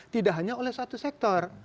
tidak hanya oleh satu sektor